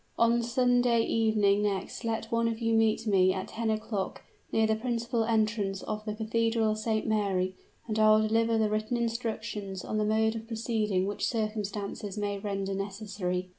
On Sunday evening next let one of you meet me, at ten o'clock, near the principal entrance of the Cathedral of St. Mary, and I will deliver the written instructions of the mode of proceeding which circumstances may render necessary."